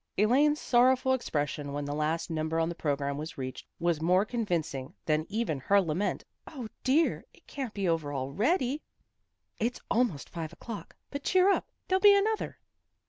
Elaine's sorrowful expression when the last number on the program was reached, was more convincing than even her lament, " O, dear! It can't be over already." " It's almost five o'clock. But cheer up! There'll be another."